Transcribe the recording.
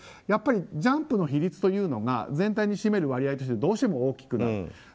やっぱりジャンプの比率が全体に占める割合としてどうしても大きくなると。